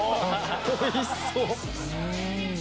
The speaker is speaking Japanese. おいしそう！